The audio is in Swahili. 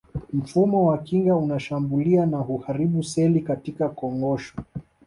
Mfumo wa kinga unashambulia na huharibu seli katika kongosho